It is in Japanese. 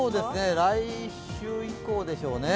来週以降でしょうか。